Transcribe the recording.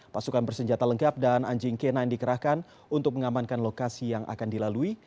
pasukan bersenjata lengkap dan anjing k sembilan dikerahkan untuk mengamankan lokasi yang akan dilalui